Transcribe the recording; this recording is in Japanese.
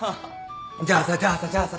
じゃあさじゃあさじゃあさ